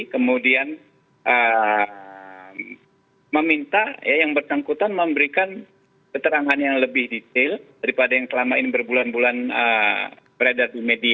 kemudian meminta yang bersangkutan memberikan keterangan yang lebih detail daripada yang selama ini berbulan bulan beredar di media